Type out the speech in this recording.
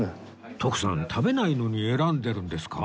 徳さん食べないのに選んでるんですか？